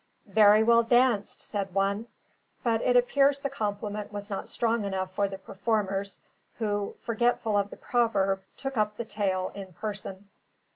"Very well danced!" said one; but it appears the compliment was not strong enough for the performers, who (forgetful of the proverb) took up the tale in person.